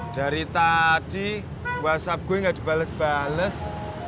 dari tadi whatsapp gue gak dibales bales